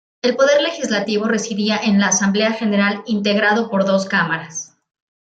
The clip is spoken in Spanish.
El Poder Legislativo residía en la Asamblea General integrado por dos Cámaras.